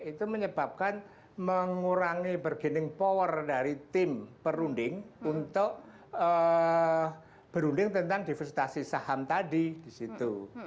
itu menyebabkan mengurangi bergening power dari tim perunding untuk berunding tentang divestasi saham tadi di situ